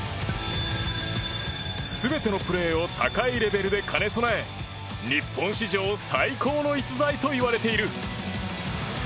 全てのプレーを高いレベルで兼ね備え日本史上最高の逸材といわれている。